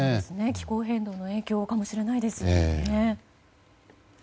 気候変動の影響かもしれないですよね。